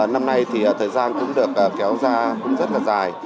năm nay thì thời gian cũng được kéo ra cũng rất là dài